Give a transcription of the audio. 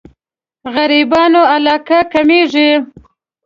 غريبانو علاقه کمېږي.